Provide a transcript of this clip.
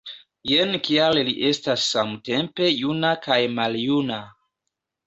Jen kial li estas samtempe juna kaj maljuna.